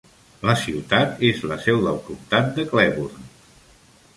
La ciutat és la seu del comtat de Cleburne.